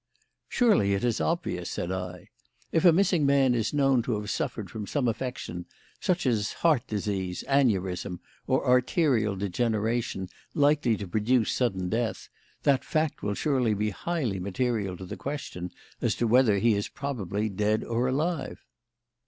"Surely it is obvious," said I. "If a missing man is known to have suffered from some affection, such as heart disease, aneurism, or arterial degeneration, likely to produce sudden death, that fact will surely be highly material to the question as to whether he is probably dead or alive."